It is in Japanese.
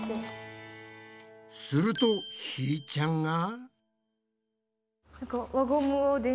するとひーちゃんが！